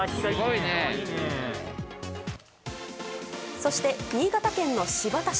そして新潟県の新発田市。